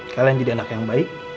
kalian jadi anak yang baik